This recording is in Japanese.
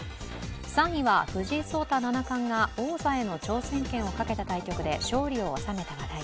３位は藤井聡太七冠が王座への挑戦権をかけた対局で勝利を収めた話題。